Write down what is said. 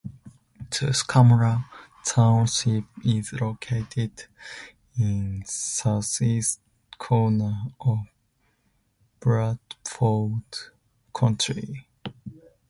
Tuscarora Township is located in the southeast corner of Bradford County.